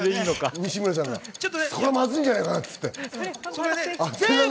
西村さんがそれはまずいんじゃないかなって。